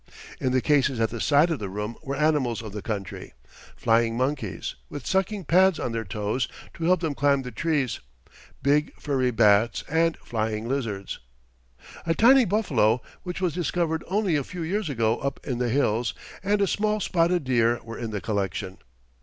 In the cases at the side of the room were animals of the country flying monkeys, with sucking pads on their toes to help them climb the trees, big, furry bats and flying lizards. A tiny buffalo, which was discovered only a few years ago up in the hills, and a small spotted deer were in the collection.